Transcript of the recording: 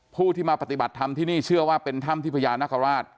ผู้ที่มาปฏิบัติธรรมที่นี่เชื่อว่าเป็นถ้ำที่พญานาคาราช